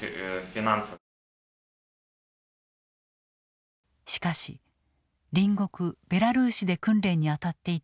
しかし隣国ベラルーシで訓練に当たっていた去年２月２３日